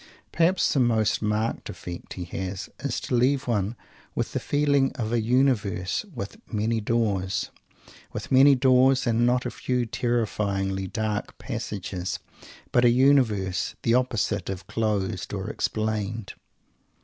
Perhaps the most marked effect he has is to leave one with the feeling of a universe with many doors; with many doors, and not a few terrifyingly dark passages; but a universe the opposite of "closed" or "explained."